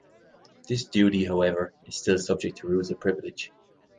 This duty, however, is still subject to rules of privilege.